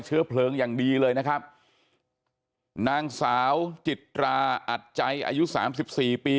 เชื้อเพลิงอย่างดีเลยนะครับนางสาวจิตราอัดใจอายุสามสิบสี่ปี